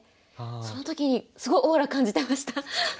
その時にすごいオーラ感じてました。